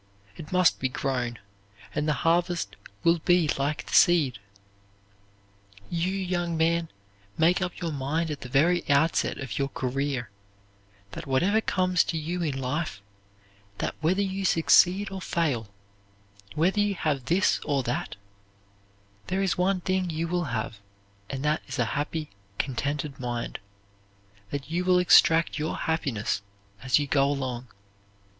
It must be grown, and the harvest will be like the seed. You, young man, make up your mind at the very outset of your career that whatever comes to you in life, that whether you succeed or fail, whether you have this or that, there is one thing you will have, and that is a happy, contented mind, that you will extract your happiness as you go along.